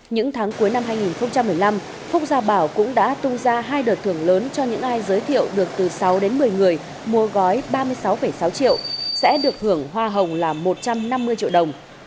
những tháng cuối năm hai nghìn một mươi năm phúc gia bảo cũng đã tung ra hai đợt thưởng lớn cho những ai giới thiệu được từ sáu đến một mươi người mua gói ba mươi sáu sáu triệu sẽ được hưởng hoa hồng là một trăm năm mươi triệu đồng